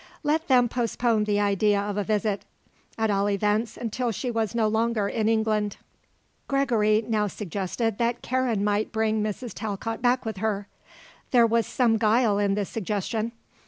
Let them postpone the idea of a visit; at all events until she was no longer in England. Gregory now suggested that Karen might bring Mrs. Talcott back with her. There was some guile in the suggestion.